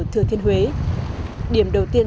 thừa thiên huế điểm đầu tiên